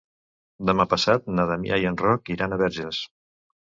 Demà passat na Damià i en Roc iran a Verges.